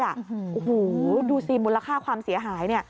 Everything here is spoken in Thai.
โอ้โหดูสิมูลค่าความเสียหายเนี่ย